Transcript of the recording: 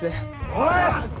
おい！